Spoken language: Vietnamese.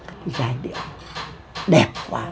cái giai điểm đẹp quá